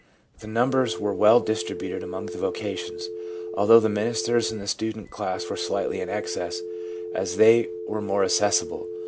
The numbers were well distributed among the vocations, although ministers and the student class were slightly in excess, as they were more access ible.